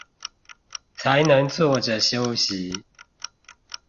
才能坐著休息